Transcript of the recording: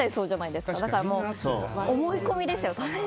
だから思い込みですよ。